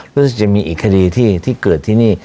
แล้วจะมีอีกคดีที่ที่เกิดที่นี่